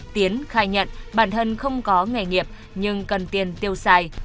tiến khai nhận bản thân không có nghề nghiệp nhưng cần tiền tiêu xài